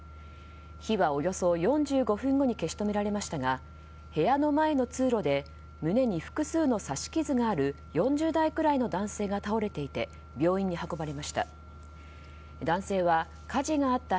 火はおよそ４５分後に消し止められましたが部屋の前の通路で胸に複数の刺し傷がある４０代くらいの男性が倒れていて病院に運ばれました。